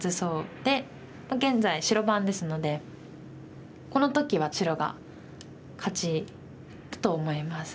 現在白番ですのでこの時は白が勝ちだと思います。